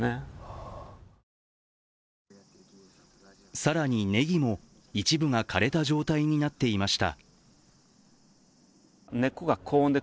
更に、ネギも一部が枯れた状態になっていました。